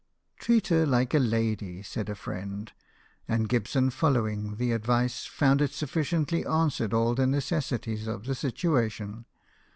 " Treat her like a lady," said a friend ; and Gibson, following the advice, found it sufficiently answered all the necessities of the situation.